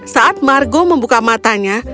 saat margo membuka matanya